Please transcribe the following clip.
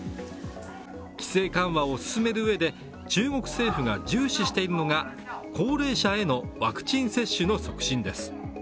規制緩和を進めるうえで中国政府が重視しているのが高齢者へのワクチン接種の促進です。